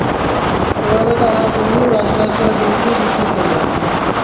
এভাবে তারা বহু রাজরাজড়ার বিরুদ্ধে যুদ্ধ করলেন।